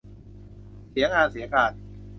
เสียงานเสียการ